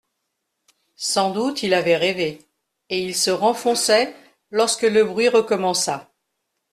Sans doute, il avait rêvé, et il se renfonçait, lorsque le bruit recommença.